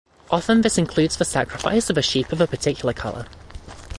Often this includes the sacrifice of a sheep of a particular colour.